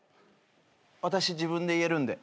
私自分で言えるんで。